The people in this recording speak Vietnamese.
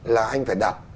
là anh phải đặt